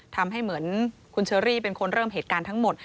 ทำให้เหมือนคุณเชอรี่เป็นคนเริ่มเหตุการณ์ทั้งหมด